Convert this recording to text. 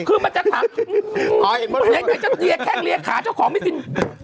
คือมันจะถามแค่เรียกขาเจ้าของพี่สิน